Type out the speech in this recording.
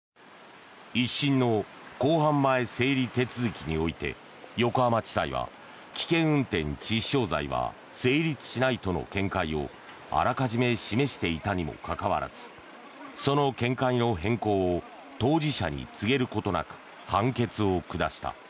１審の公判前整理手続きにおいて横浜地裁は危険運転致死傷罪は成立しないとの見解をあらかじめ示していたにもかかわらずその見解の変更を当事者に告げることなく判決を下した。